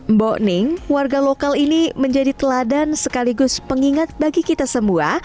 mbok ning warga lokal ini menjadi teladan sekaligus pengingat bagi kita semua